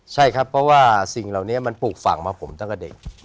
ใช่ครับเพราะว่าสิ่งเหล่านี้มันปลูกฝั่งมาผมตั้งแต่เด็ก